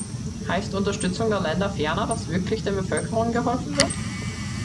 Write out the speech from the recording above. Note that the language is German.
Heißt Unterstützung der Länder ferner, dass wirklich den Bevölkerungen geholfen wird?